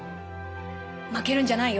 負けるんじゃないよ。